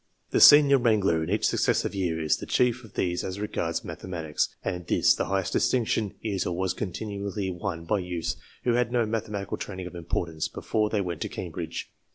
The senior wrangler, in each suc cessive year, is the chief of these as regards mathematics, and this, the highest distinction, is, or was, continually won by youths who had no mathematical training of importance before they went to Cambridge.